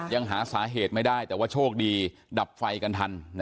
ยังหาสาเหตุไม่ได้แต่ว่าโชคดีดับไฟกันทัน